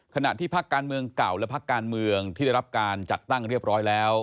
ขณะที่พักการเมืองเก่าและพักการเมืองที่ได้รับการจัดตั้งเรียบร้อยแล้ว